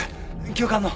教官の。